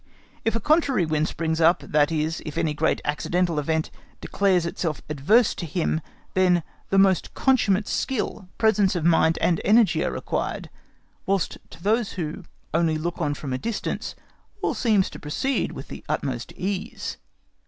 If a contrary wind also springs up, that is, if any great accidental event declares itself adverse to him, then the most consummate skill, presence of mind, and energy are required, whilst to those who only look on from a distance all seems to proceed with the utmost ease.